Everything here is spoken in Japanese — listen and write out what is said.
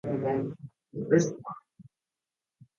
博物館は英語でミュージアムという。